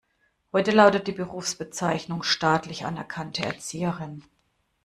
Heute lautet die Berufsbezeichnung staatlich anerkannte Erzieherin.